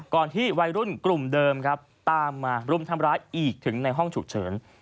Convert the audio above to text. ที่วัยรุ่นกลุ่มเดิมครับตามมารุมทำร้ายอีกถึงในห้องฉุกเฉิน